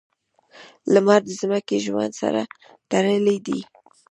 • لمر د ځمکې ژوند سره تړلی دی.